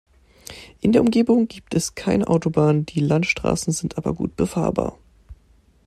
In der Umgebung gibt es keine Autobahnen, die Landstraßen sind aber gut befahrbar.